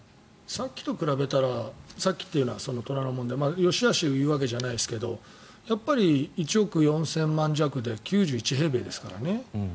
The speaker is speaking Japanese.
さっきと比べたらさっきというのは虎ノ門で、よしあしを言うわけじゃないですけど１億４０００万円弱で９１平米ですからね。